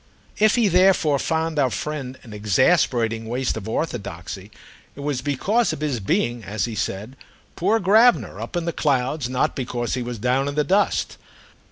If he therefore found our friend an exasperating waste of orthodoxy it was because of his being, as he said, poor Gravener, up in the clouds, not because he was down in the dust.